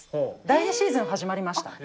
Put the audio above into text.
第２シーズン始まりました。